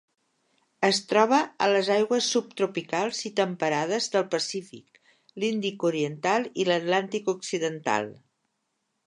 Es troba a les aigües subtropicals i temperades del Pacífic, l'Índic oriental i l'Atlàntic occidental.